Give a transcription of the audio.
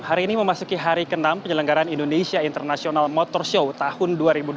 hari ini memasuki hari ke enam penyelenggaran indonesia international motor show tahun dua ribu dua puluh